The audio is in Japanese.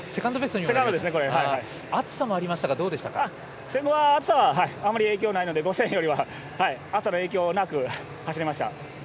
暑さもありましたが暑さはあまり影響がないので、５０００よりは暑さの影響なく走れました。